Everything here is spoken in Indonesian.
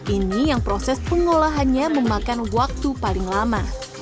ini yang proses pengolahannya memakan waktu paling lama